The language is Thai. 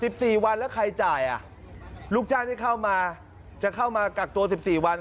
สิบสี่วันแล้วใครจ่ายอ่ะลูกจ้างที่เข้ามาจะเข้ามากักตัวสิบสี่วัน